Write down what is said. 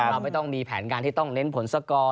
เราไม่ต้องมีแผนการที่ต้องเน้นผลสกอร์